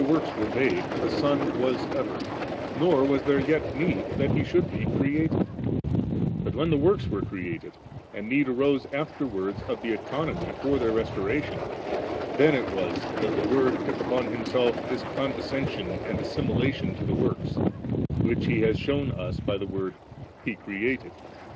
before the woiks were made, the Son was ever, nor was there yet need that He should be created ; but when the works were created and need arose afterwards of the Economy for their restoration, then it was that the Word took upoD Himself this condescension and assiimlatioa to the woiks; which He has shewn us by the word * He created.'